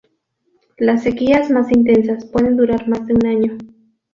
Las sequías más intensas pueden durar más de un año.